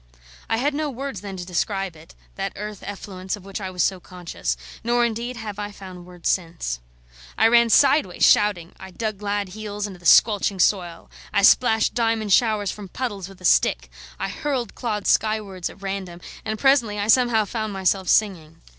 I had no words then to describe it, that earth effluence of which I was so conscious; nor, indeed, have I found words since. I ran sideways, shouting; I dug glad heels into the squelching soil; I splashed diamond showers from puddles with a stick; I hurled clods skywards at random, and presently I somehow found myself singing.